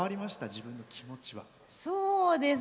自分の気持ちは。